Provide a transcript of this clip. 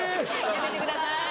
やめてください。